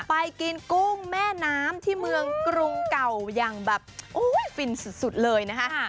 ไปกินกุ้งแม่น้ำที่เมืองกรุงเก่าอย่างแบบฟินสุดเลยนะคะ